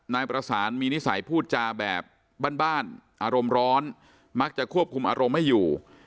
นายประสานมีนิสัยพูดจาแบบบ้านอารมณ์ร้อนมักจะควบคุมอารมณ์ไม่อยู่